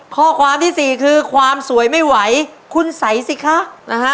ข้อความที่สี่คือความสวยไม่ไหวคุณใส่สิคะนะฮะ